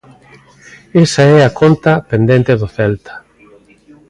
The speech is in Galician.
Esa é a conta pendente do Celta.